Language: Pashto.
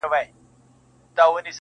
• ستا به په شپو کي زنګېدلی یمه -